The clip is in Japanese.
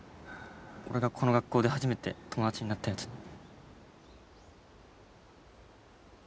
俺がこの学校で初めて友達になったやつに。